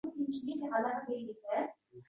Tushunarli boʻldimi